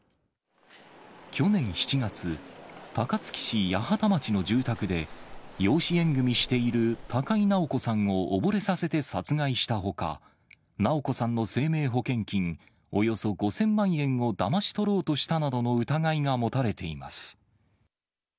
去年７月、高槻市八幡町の住宅で、養子縁組みしている高井直子さんを溺れさせて殺害したほか、直子さんの生命保険金およそ５０００万円をだまし取ろうとしたなどの疑いが持たれています。